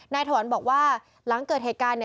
ถวันบอกว่าหลังเกิดเหตุการณ์